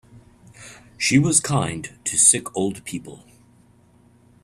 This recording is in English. She was kind to sick old people.